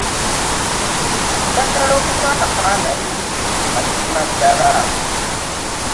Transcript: Njagala okube akafaananyi mazima ddala.